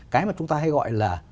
cái mà chúng ta hay gọi là